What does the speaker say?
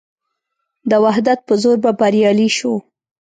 د وحدت په زور به بریالي شو.